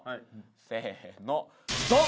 せーのドン！